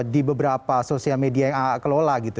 di beberapa sosial media yang aa kelola gitu